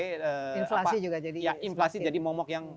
inflasi juga jadi ya inflasi jadi momok yang